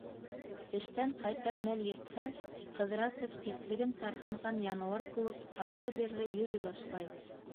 Эштән ҡайтыр мәл етһә, Ҡыҙрасов, ситлеген тарһынған януар кеүек, арлы-бирле йөрөй башлай.